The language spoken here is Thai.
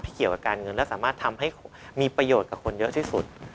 เกี่ยวกับการเงินและสามารถทำให้มีประโยชน์กับคนเยอะที่สุด